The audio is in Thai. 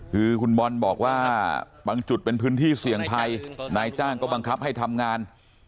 คือคุณบอลบอกว่าบางจุดเป็นพื้นที่เสี่ยงภัยนายจ้างก็บังคับให้ทำงาน